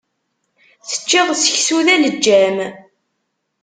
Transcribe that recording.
Teččiḍ seksu d aleǧǧam.